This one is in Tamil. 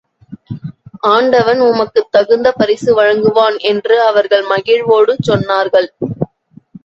ஆண்டவன் உமக்குத் தகுந்த பரிசு வழங்குவான் என்று அவர்கள் மகிழ்வோடு சொன்னார்கள்.